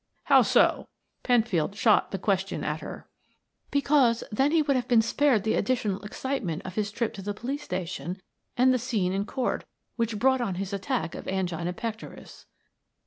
"How so?" Penfield shot the question at her. "Because then he would have been spared the additional excitement of his trip to the police station and the scene in court, which brought on his attack of angina pectoris."